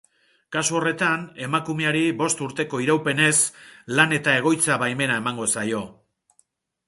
Kasu horretan, emakumeari bost urteko iraupenez Lan eta Egoitza-Baimena emango zaio.